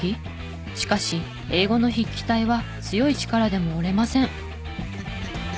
しかし英語の筆記体は強い力でも折れません。